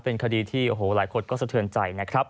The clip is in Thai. เป็นคดีที่โอ้โหหลายคนก็สะเทือนใจนะครับ